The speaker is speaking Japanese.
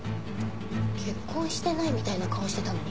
結婚してないみたいな顔してたのに。